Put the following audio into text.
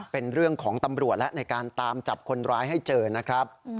เป็นเรื่องของตำรวจแล้วในการตามจับคนร้ายให้เจอนะครับ